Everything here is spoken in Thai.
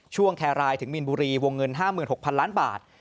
ช่วงแครไลน์ถึงมิลบุรีวงเงิน๕๖๐๐๐ล้านบาท